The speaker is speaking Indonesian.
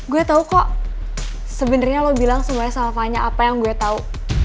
gue tau kok sebenernya lo bilang semuanya sama fanya apa yang gue tau